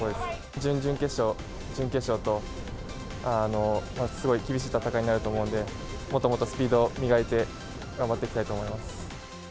準々決勝、準決勝と、すごい厳しい戦いになると思うんで、もっともっとスピード磨いて、頑張っていきたいと思います。